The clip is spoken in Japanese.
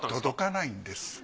届かないんです。